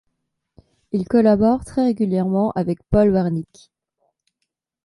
Il collabore très régulièrement avec Paul Wernick.